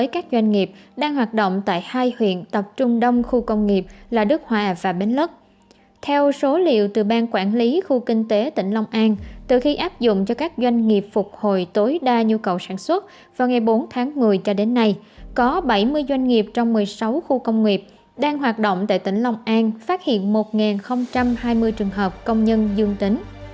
có bảy mươi doanh nghiệp trong một mươi sáu khu công nghiệp đang hoạt động tại tỉnh lòng an phát hiện một hai mươi trường hợp công nhân dương tính